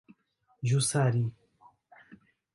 Jussari